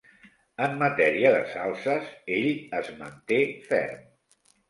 En matèria de salses, ell es manté ferm.